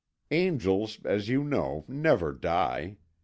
"Angels, as you know, never die.